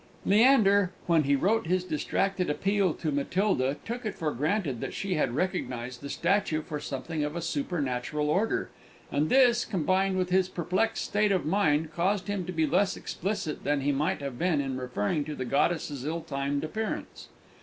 _ Leander, when he wrote his distracted appeal to Matilda, took it for granted that she had recognized the statue for something of a supernatural order, and this, combined with his perplexed state of mind, caused him to be less explicit than he might have been in referring to the goddess's ill timed appearance.